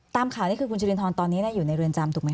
ตามข่าวนี่คือคุณสิรินทรตอนนี้อยู่ในเรือนจำถูกไหมค